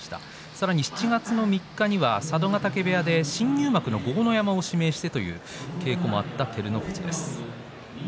さらに、７月３日佐渡ヶ嶽部屋で新入幕の豪ノ山を指名しての稽古もあった照ノ富士です。